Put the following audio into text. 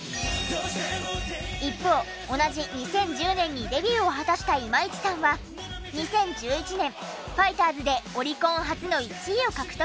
一方同じ２０１０年にデビューを果たした今市さんは２０１１年『ＦＩＧＨＴＥＲＳ』でオリコン初の１位を獲得。